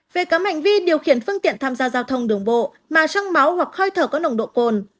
về các hành vi điều khiển phương tiện tham gia giao thông đường bộ mà trong máu hoặc hơi thở có nồng độ cồn